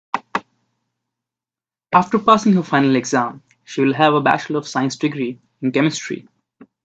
After passing her final exam she will have a bachelor of science degree in chemistry.